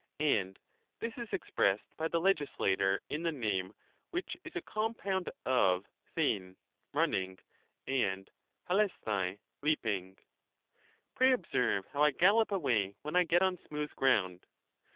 And this is expressed by the legislator in the name, which is a compound of Btiv (running), and dXXeaOai (leaping). Pray observe how I gallop away when I get on smooth ground.